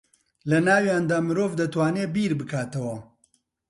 لە ناویاندا مرۆڤ دەتوانێ بیر بکاتەوە